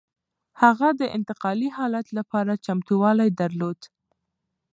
هغه د انتقالي حالت لپاره چمتووالی درلود.